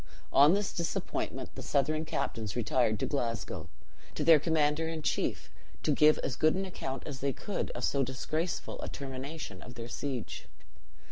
On this disappointment the Southron captains retired to Glasgow, to their commander in chief, to give as good an account as they could of so disgraceful a termination of their siege.